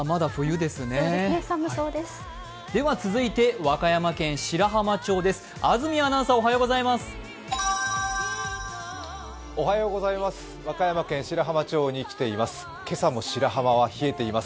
では続いて和歌山県白浜町です